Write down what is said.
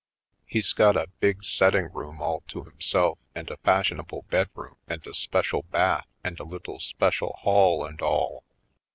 He's got a big setting room all to himself and a fash ionable bedroom and a special bath and a little special hall and all.